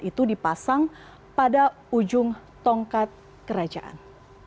itu dipasang pada ujung tongkat kerajaan